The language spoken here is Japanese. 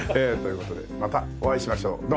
という事でまたお会いしましょう。